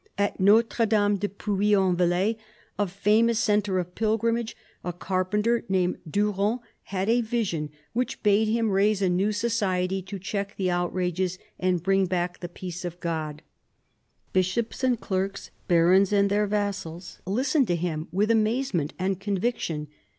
At Notre Dame de Puy en Velai, a famous centre of pilgrimage, a carpenter named Durand had a vision which bade him raise a new society to check the outrages and bring back the peace of God. Bishops and clerks, barons and their vassals, listened to him with amazement and conviction.